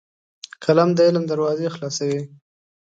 قلم د علم دروازې خلاصوي